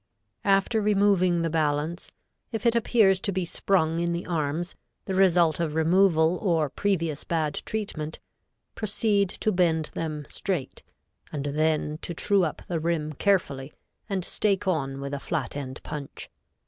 After removing the balance, if it appears to be sprung in the arms, the result of removal or previous bad treatment, proceed to bend them straight, and then to true up the rim carefully, and stake on with a flat end punch.